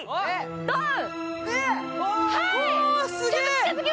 ドン！